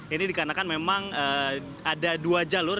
ini dikarenakan memang ada dua jalur